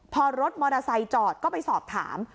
พอรถมอเตอร์ไซค์จอดก็ไปสอบถาม